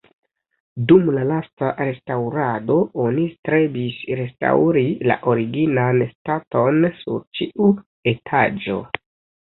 Dum la lasta restaŭrado oni strebis restaŭri la originan staton sur ĉiu etaĝo.